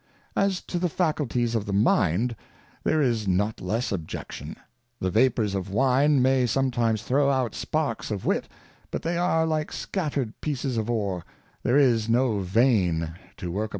As to the Faculties of the Mind, there is not less Objection ; the vapours of Wine may sometimes throw out sparks of Wit, but they are like scattered pieces of Ore, there is no Vein to work upon.